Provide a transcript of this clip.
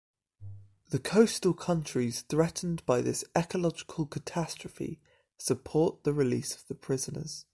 The coastal countries threatened by this ecological catastrophe support the release of the prisoners.